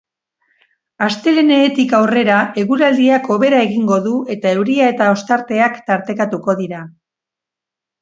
Astelehenetik aurrera eguraldiak hobera egingo du eta euria eta ostarteak tartekatuko dira.